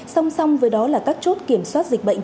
song song với đó là các chốt kiểm soát dịch bệnh